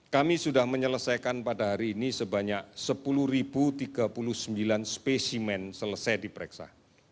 kami sudah menyelesaikan pada hari ini sebanyak sepuluh tiga puluh sembilan spesimen selesai diperiksa